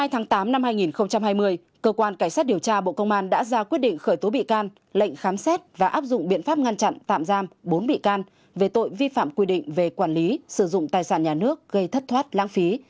thưa quý vị cơ quan cảnh sát điều tra bộ công an đang tiến hành điều tra vụ án lừa đảo chiếm đoạt tài sản vi phạm quy định về quản lý sử dụng tài sản nhà nước gây thất thoát lãng phí